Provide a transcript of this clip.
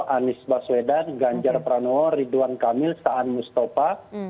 anies baswedan ganjar pranowo ridwan kamil saan mustafa